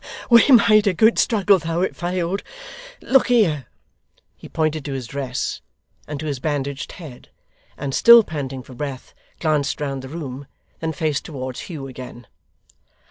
We made a good struggle, though it failed. Look here!' He pointed to his dress and to his bandaged head, and still panting for breath, glanced round the room; then faced towards Hugh again.